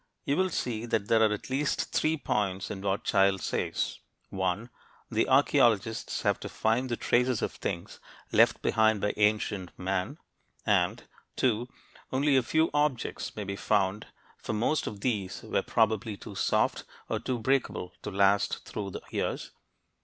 You will see that there are at least three points in what Childe says: 1. The archeologists have to find the traces of things left behind by ancient man, and 2. Only a few objects may be found, for most of these were probably too soft or too breakable to last through the years.